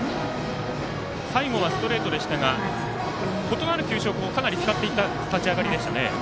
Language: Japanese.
最後はストレートでしたが異なる球種をかなり使っていった立ち上がりでした。